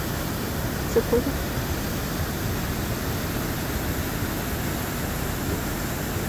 Se puede contactar con las autoridades locales para eliminar algún ejemplar si se encuentra.